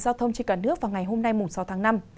giao thông trên cả nước vào ngày hôm nay sáu tháng năm